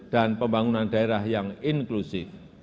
dan pembangunan daerah yang inklusif